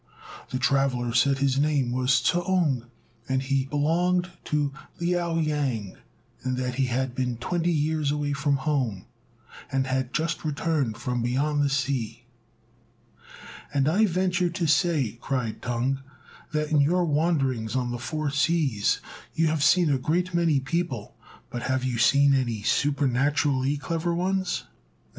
The traveller said his name was T'ung, and that he belonged to Liao yang; that he had been twenty years away from home, and had just returned from beyond the sea. "And I venture to say," cried Tung, "that in your wanderings on the Four Seas you have seen a great many people; but have you seen any supernaturally clever ones?"